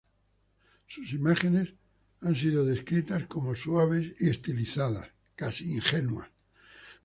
Sus imágenes han sido descritas como "suaves y estilizadas, casi ingenuas".